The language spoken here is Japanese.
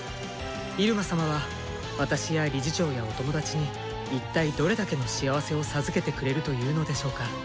イルマ様は私や理事長やおトモダチに一体どれだけの幸せを授けてくれるというのでしょうか。